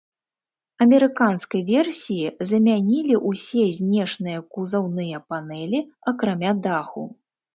Амерыканскай версіі замянілі ўсе знешнія кузаўныя панэлі, акрамя даху.